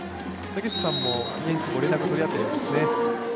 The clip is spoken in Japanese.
竹下さんも現地で連絡取り合ってるんですね。